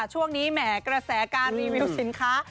ช่วงนี้แหม่กระแสการรีวิวสินค้า